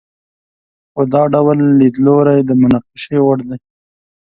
خو دا ډول لیدلوری د مناقشې وړ دی.